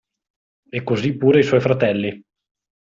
E così pure i suoi fratelli.